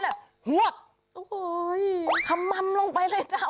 หน้ากำม่ำลงไปเลย